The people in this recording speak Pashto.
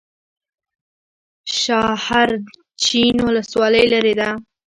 شاحرچین ولسوالۍ لیرې ده؟